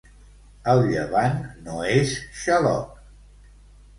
El llevant no és xaloc.